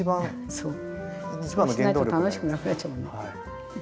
そうしないと楽しくなくなっちゃうのね。